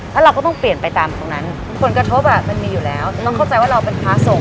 แล้วเราก็ต้องเปลี่ยนไปตามตรงนั้นผลกระทบมันมีอยู่แล้วต้องเข้าใจว่าเราเป็นพระสงฆ์